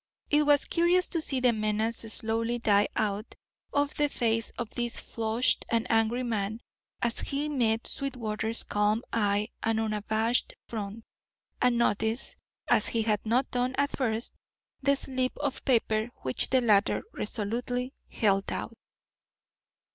It was curious to see the menace slowly die out of the face of this flushed and angry man as he met Sweetwater's calm eye and unabashed front, and noticed, as he had not done at first, the slip of paper which the latter resolutely held out.